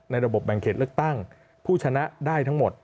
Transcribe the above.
ระบบแบ่งเขตเลือกตั้งผู้ชนะได้ทั้งหมด